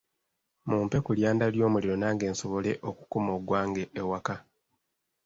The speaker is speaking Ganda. Mumpe ku lyanda ly'omuliro nange nsobole okukuma ogwange ewaka.